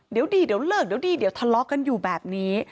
เดี๋ยวดีเดี๋ยวเลิกเดี๋ยวดีเดี๋ยวทะเลาะกันอยู่แบบนี้